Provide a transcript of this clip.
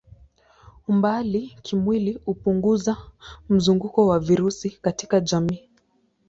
Umbali kimwili hupunguza mzunguko wa virusi katika jamii.